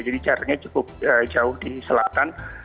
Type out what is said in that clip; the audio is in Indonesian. jadi jaraknya cukup jauh di selatan